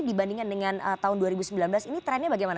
dibandingkan dengan tahun dua ribu sembilan belas ini trennya bagaimana